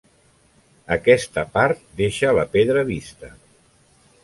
Aquesta part deixa la pedra vista.